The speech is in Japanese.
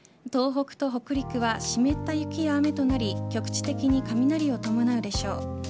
東北と北陸は湿った雪や雨となり局地的に雷を伴うでしょう。